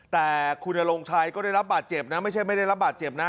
แต่คุณนรงชัยก็ได้รับบาดเจ็บนะไม่ใช่ไม่ได้รับบาดเจ็บนะ